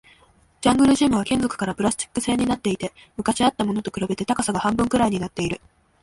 ジャングルジムは金属からプラスチック製になっていて、昔あったものと比べて高さが半分くらいになっている